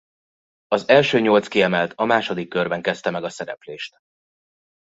Az első nyolc kiemelt a második körben kezdte meg a szereplést.